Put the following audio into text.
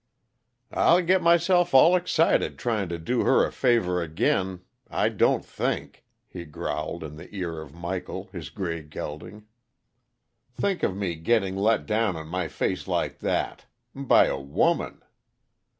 "I'll get myself all excited trying to do her a favor again I don't think!" he growled in the ear of Michael, his gray gelding. "Think of me getting let down on my face like that! By a woman!"